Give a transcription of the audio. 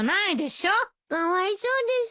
かわいそうです